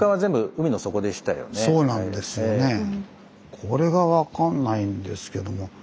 これが分かんないんですけども。